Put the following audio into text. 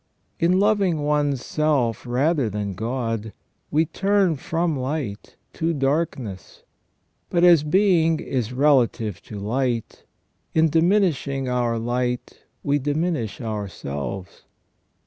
In loving one's self rather than God, we turn from light to darkness ; but, as being is relative to light, in diminishing our light we diminish ourselves.